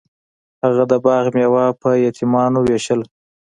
هغه د باغ میوه په یتیمانو ویشله.